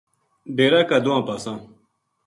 ڈیرا کا دواں پاساں